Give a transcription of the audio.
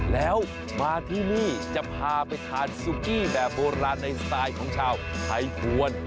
แล้วมาที่นี่จะพาไปทานซุกี้แบบโบราณในสไตล์ของชาวไทยภวร